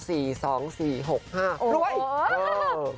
เออเออเออ